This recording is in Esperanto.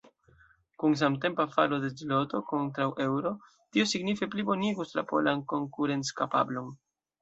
Kun samtempa falo de zloto kontraŭ eŭro, tio signife plibonigus la polan konkurenckapablon.